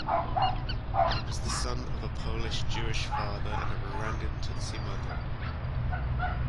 He was the son of a Polish Jewish father and a Rwandan Tutsi mother.